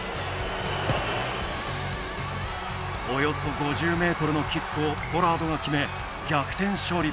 およそ５０ｍのキックをポラードが決め、逆転勝利。